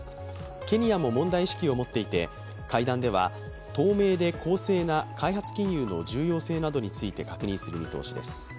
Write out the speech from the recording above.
ケニアも問題意識を持っていて会談では、透明で公正な開発金融の重要性などについて確認する見通しです。